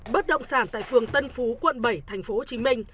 bất động sản tại phường tân phú quận bảy tp hcm